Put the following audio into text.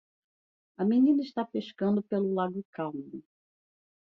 A menina está pescando pelo lago calmo.